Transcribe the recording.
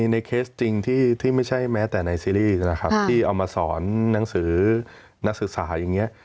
เคสจริงที่ไม่ใช่แม้แต่ในซีรีส์นะครับที่เอามาสอนหนังสือนักศึกษาอย่างนี้